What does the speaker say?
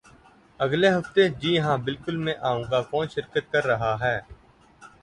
اگلے ہفتے؟ جی ہاں، بالکل میں آئوں گا. کون شرکت کر رہا ہے؟